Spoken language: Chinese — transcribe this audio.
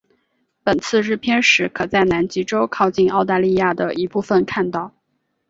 本次日偏食可在南极洲靠近澳大利亚的一部分看到。